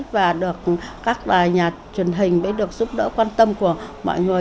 và được các nhà truyền hình mới được giúp đỡ quan tâm của mọi người